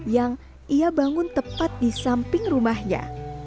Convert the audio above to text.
yang ia bangun tepat di samping rumahnya